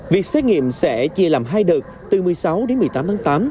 việc xét nghiệm sẽ chia làm hai đợt từ một mươi sáu đến một mươi tám tháng tám